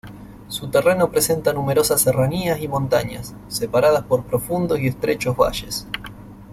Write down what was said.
Su terreno presenta numerosas serranías y montañas, separadas por profundos y estrechos valles.